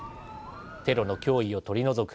テロの脅威を取り除く。